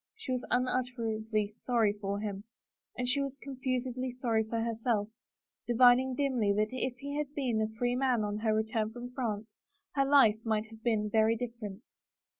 She was unutterably sorry for him. And she was confusedly sorry for herself, divining dimly that if he had been a free man on her return from France her life might have been different.